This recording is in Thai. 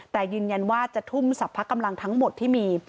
แต่ยืนยันว่าจะทุ่มสรรพกำลังทั้งหมดที่มี